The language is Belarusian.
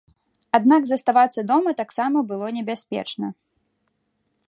Аднак заставацца дома таксама было небяспечна.